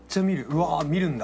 うわー見るんだ！